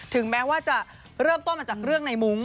ถึงแม้ว่าจะเริ่มต้นมาจากเรื่องในมุ้ง